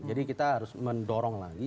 jadi kita harus mendorong lagi